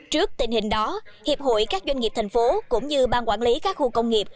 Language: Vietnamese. trước tình hình đó hiệp hội các doanh nghiệp thành phố cũng như ban quản lý các khu công nghiệp